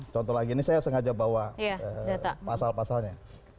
contoh lagi ini saya sengaja bawa pasal pasalnya